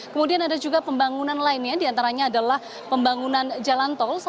kemudian ada juga pembangunan lainnya diantaranya adalah pembangunan jalan tol